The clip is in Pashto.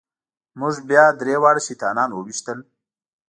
موږ بیا درې واړه شیطانان وويشتل.